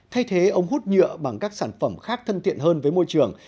thay thế ống hút nhựa bằng các sản phẩm khác thân thiện hơn với môi trường